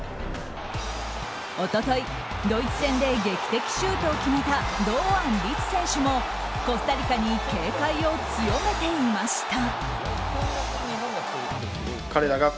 一昨日、ドイツ戦で劇的シュートを決めた堂安律選手も、コスタリカに警戒を強めていました。